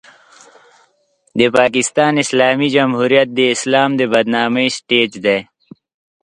د پاکستان اسلامي جمهوریت د اسلام د بدنامۍ سټېج دی.